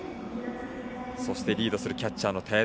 そしてリードするキャッチャーの田屋。